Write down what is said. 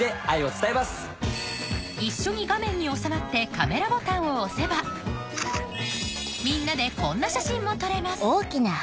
一緒に画面に収まってカメラボタンを押せばみんなでこんな写真も撮れます